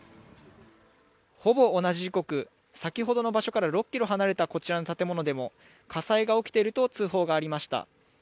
ほぼ同じ時刻、先ほどの場所から６ｋｍ離れたこちらの建物でも火災が起きていると通報がありました。